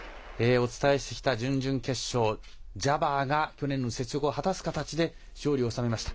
お伝えしてきた準々決勝ジャバーが去年の雪辱を果たす形で勝利を収めました。